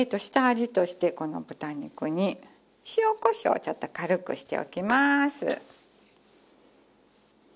下味としてこの豚肉に塩こしょうをちょっと軽くしておきます。